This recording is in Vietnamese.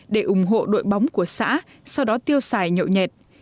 để ủng hộ đội bóng của xã sau đó tiêu xài nhậu nhẹt